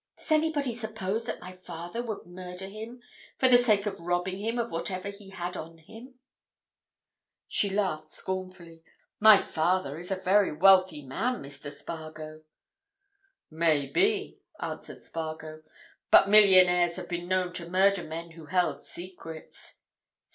"Does anybody suppose that my father would murder him for the sake of robbing him of whatever he had on him?" she laughed scornfully. "My father is a very wealthy man, Mr. Spargo." "May be," answered Spargo. "But millionaires have been known to murder men who held secrets."